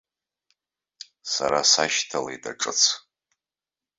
Сара сашьҭалеит аҿыц.